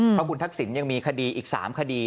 เพราะคุณทักษิณยังมีคดีอีก๓คดี